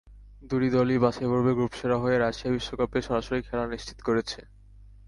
দুটি দলই বাছাইপর্বে গ্রুপসেরা হয়ে রাশিয়া বিশ্বকাপে সরাসরি খেলা নিশ্চিত করেছে।